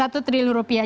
satu triliun rupiah